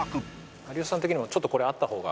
有吉さん的にもちょっとこれあった方が？